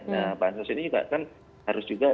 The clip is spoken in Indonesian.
nah bahan sos ini juga kan harus juga